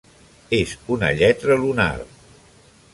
És una lletra lunar.